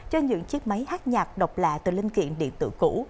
cho những chiếc máy hát nhạc độc lạ từ linh kiện điện tử cũ